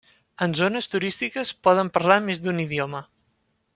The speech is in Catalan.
En zones turístiques poden parlar més d'un idioma.